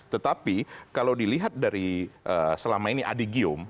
tetapi kalau dilihat dari selama ini adi gium